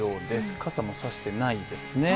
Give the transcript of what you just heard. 傘も差してないですね。